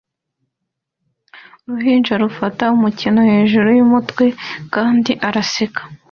Uruhinja rufata umukino hejuru yumutwe kandi araseka